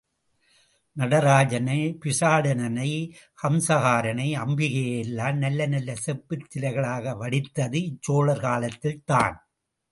நடராஜனை, பிக்ஷாடனனை, கஜசம்ஹாரனை, அம்பிகையை எல்லாம் நல்ல நல்ல செப்புச் சிலைகளாக வடித்தது இச்சோழர்கள் காலத்தில்தான்.